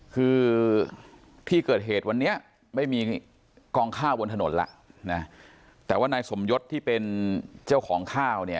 คือที่เกิดเหตุวันนี้ไม่มีกองข้าวบนถนนแล้วนะแต่ว่านายสมยศที่เป็นเจ้าของข้าวเนี่ย